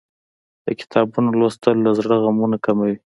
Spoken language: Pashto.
د کتابونو لوستل له زړه غمونه کموي.